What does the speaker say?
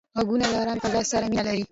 غوږونه له آرامې فضا سره مینه لري